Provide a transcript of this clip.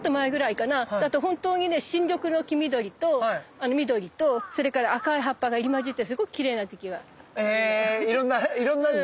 だと本当にね新緑の黄緑と緑とそれから赤い葉っぱが入り交じってすごくきれいな時期があるの。へいろんな段階がね。